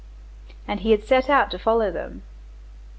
And he had set out to follow them.